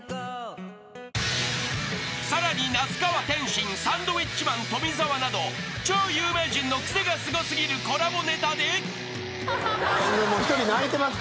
［さらに那須川天心サンドウィッチマン富澤など超有名人のクセがスゴ過ぎるコラボネタで］